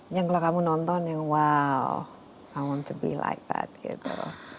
yang kalau kamu nonton yang wow i want to be like that gitu